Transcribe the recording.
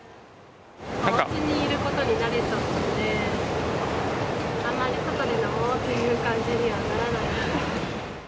おうちにいることに慣れちゃって、あまり外で飲もうという感じにはならない。